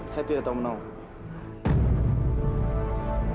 saya tidak tau menang